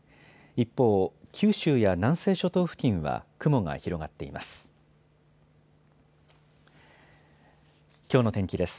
一方、九州や南西諸島付近は雲が広がっています。